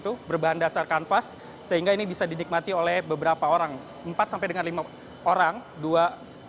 itu berbahan dasar kanvas sehingga ini bisa dinikmati oleh beberapa orang empat sampai dengan lima orang dua